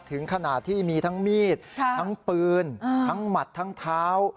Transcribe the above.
ถึงขนาดที่มีทั้งมีดทั้งปืนทั้งหมัดทั้งเท้า